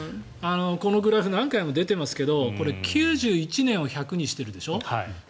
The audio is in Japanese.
このグラフ何回も出てますけど９１年を１００にしているでしょ